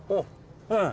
うん。